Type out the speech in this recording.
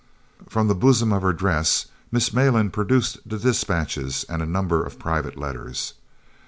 From the bosom of her dress Miss Malan produced the dispatches and a number of private letters.